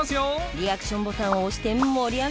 リアクションボタンを押して盛り上がろう！